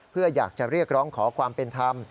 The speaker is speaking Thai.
เพื่ออยากจะเรียกร้องขอความเป็นธรรม